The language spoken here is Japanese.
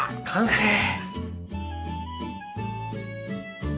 完成！